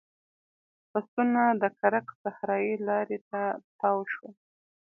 بسونه د کرک صحرایي لارې ته تاو شول.